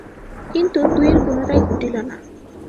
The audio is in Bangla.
কিন্তু দুইয়ের কোনোটাই ঘটিল না।